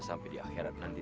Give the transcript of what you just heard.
sampai di akhirat nanti